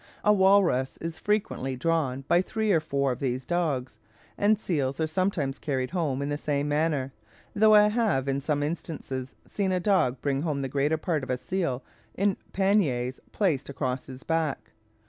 A walrus is frequently drawn along by three or four of these dogs, and seals are sometimes carried home in the same manner, though I have in some instances seen a dog bring home the greater part of a seal in panniers placed across his back.